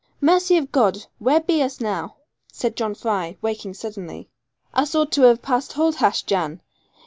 'Mercy of God! where be us now?' said John Fry, waking suddenly; 'us ought to have passed hold hash, Jan.